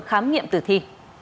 khám nghiệm tử thi